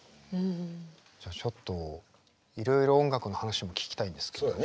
じゃあちょっといろいろ音楽の話も聞きたいんですけど。